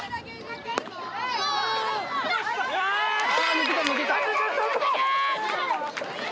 抜けた抜けた。